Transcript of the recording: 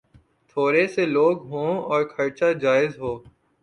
تھوڑے سے لوگ ہوں اور خرچا جائز ہو۔